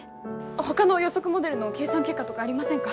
ほかの予測モデルの計算結果とかありませんか？